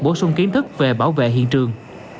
bổ sung kiến thức về bảo vệ hiện trường